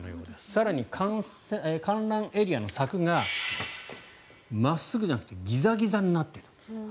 更に、観覧エリアの柵が真っすぐじゃなくてギザギザになっていた。